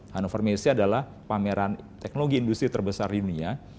hannover messe adalah pameran teknologi industri terbesar di dunia